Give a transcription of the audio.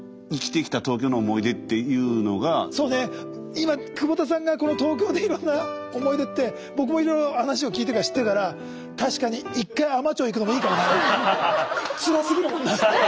今久保田さんがこの東京でいろんな思い出って僕もいろいろ話を聞いてるから知ってるから確かに一回つらすぎるもんな。